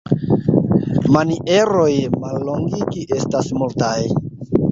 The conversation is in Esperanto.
Manieroj mallongigi estas multaj.